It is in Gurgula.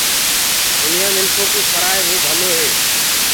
دنيآ منکُ ڪوُ سرآئي وو ڀلو هي۔